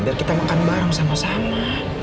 biar kita makan bareng sama sama